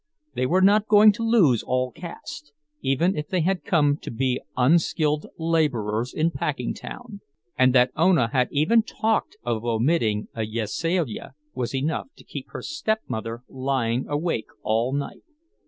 They were not going to lose all caste, even if they had come to be unskilled laborers in Packingtown; and that Ona had even talked of omitting a veselija was enough to keep her stepmother lying awake all night.